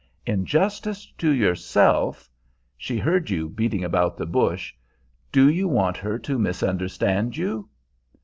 In justice to yourself she heard you beating about the bush do you want her to misunderstand you?"